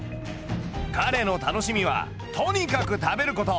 彼の楽しみはとにかく食べること。